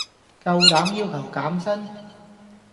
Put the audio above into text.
夠膽要求減薪